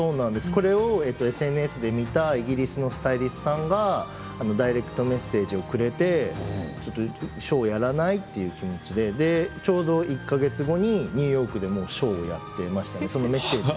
これをＳＮＳで見た、イギリスのスタイリストさんがダイレクトメッセージをくれてショーをやらない？ということでちょうど１か月後にニューヨークでショーをやっていましたね。